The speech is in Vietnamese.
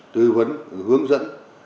tư huấn hướng dẫn